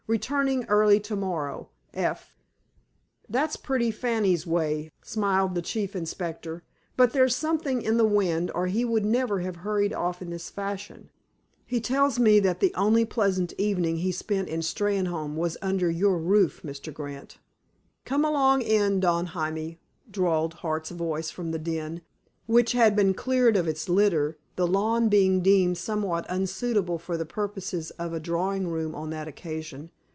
Returning early to morrow. F."_ "That's pretty Fanny's way," smiled the Chief Inspector. "But there's something in the wind, or he would never have hurried off in this fashion. He tells me that the only pleasant evening he spent in Steynholme was under your roof, Mr. Grant." "Come along in, Don Jaime!" drawled Hart's voice from the "den," which had been cleared of its litter, the lawn being deemed somewhat unsuitable for the purposes of a drawing room on that occasion.